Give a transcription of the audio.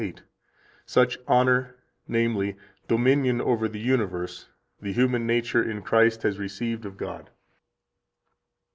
8: "Such honor, namely, dominion over the universe, the human nature in Christ has received of God."